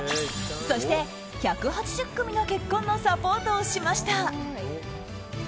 そして、１８０組の結婚のサポートをしました。